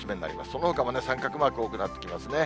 そのほかも三角マーク、多くなってきますね。